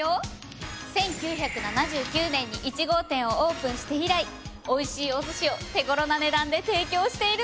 １９７９年に１号店をオープンして以来おいしいお寿司を手頃な値段で提供しているの。